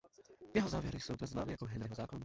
Jeho závěry jsou dnes známy jako Henryho zákon.